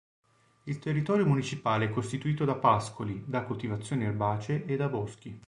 Il territorio municipale è costituito da pascoli, da coltivazioni erbacee e da boschi.